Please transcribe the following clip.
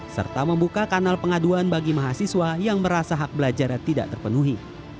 serta membuka kanal pengaduan bagi mahasiswa yang merasa hak belajarnya tidak terpenuhi